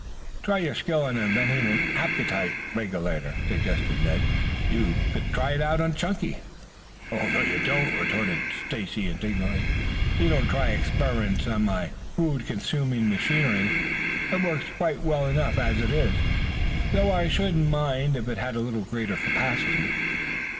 "Try your skill on inventing an appetite regulator," suggested Ned. "You could try it on Chunky." "No you don't," retorted Stacy indignantly. "You don't try experiments on my food consuming machinery. It works quite well enough as it is, though I shouldn't mind if it had a little greater capacity."